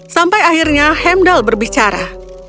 sampai akhirnya heimdall berbicara